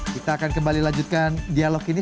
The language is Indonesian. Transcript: kita akan kembali lanjutkan dialog ini